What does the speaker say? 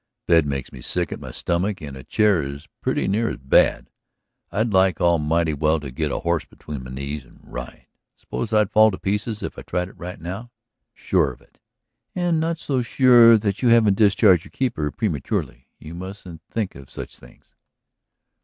"A bed makes me sick at my stomach and a chair is pretty nearly as bad. I'd like almighty well to get a horse between my knees ... and ride! Suppose I'd fall to pieces if I tried it right now?" "Sure of it. And not so sure that you haven't discharged your keeper prematurely. You mustn't think of such things."